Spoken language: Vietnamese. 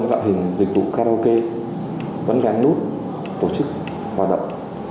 các loại hình dịch vụ karaoke vẫn gắn nút tổ chức hoạt động